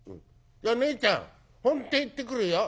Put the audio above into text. ねえちゃん本店行ってくるよ」。